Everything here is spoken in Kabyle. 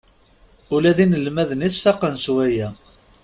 Ula d inelmaden-is faqen s waya.